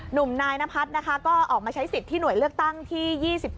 หนุ่มนายนพัฒน์นะคะก็ออกมาใช้สิทธิ์ที่หน่วยเลือกตั้งที่๒๗